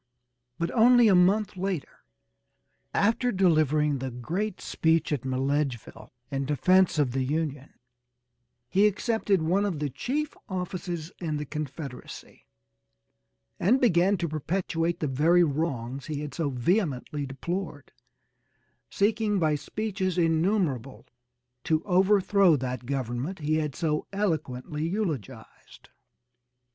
But only a month later, after delivering the great speech at Milledgeville in defense of the Union he accepted one of the chief offices in the Confederacy, and began to perpetrate the very wrongs he had so vehemently deplored, seeking by speeches innumerable to overthrow that government he had so eloquently eulogized.